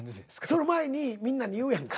その前にみんなに言うやんか。